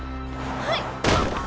はい！